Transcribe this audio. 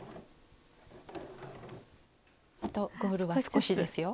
あとゴールは少しですよ。